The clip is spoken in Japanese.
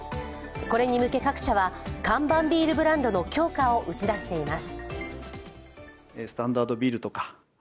これに向け各社は、看板ビールブランドの強化を打ち出しています。